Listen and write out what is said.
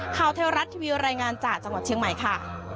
ข้าวเทวรัชรับรายงานจากจังหวัดเชียงใหม่ค่ะ